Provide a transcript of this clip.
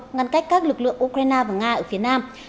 ngăn cách các lực lượng ukraine và nga ở phía nam